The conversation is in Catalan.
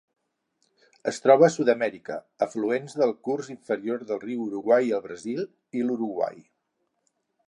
Es troba a Sud-amèrica: afluents del curs inferior del riu Uruguai al Brasil i l'Uruguai.